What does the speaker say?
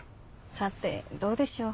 さてどうでしょう？